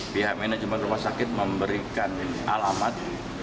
pihak manajemen rumah sakit memberikan alamat